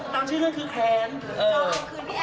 ตามชื่อเรื่องคือแค้น